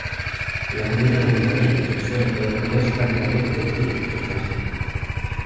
La comida vendida en ellos suele poder comerse rápidamente de pie o llevarse.